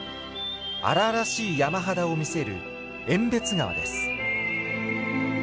荒々しい山肌を見せる遠別川です。